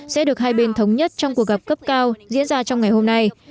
sẽ được hai bên thống nhất trong cuộc gặp cấp cao diễn ra trong ngày hôm nay